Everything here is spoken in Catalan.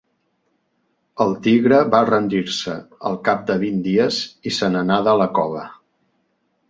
El tigre va rendir-se al cap de vint dies i se n'anà de la cova.